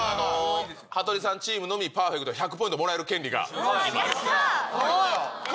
羽鳥さんチームのみ、パーフェクト、１００ポイントもらえる権利があります。